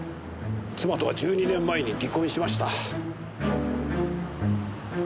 妻とは１２年前に離婚しました。